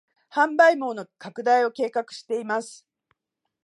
販売網の拡大を計画しています